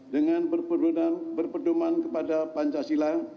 dengan berpedoman kepada pancasila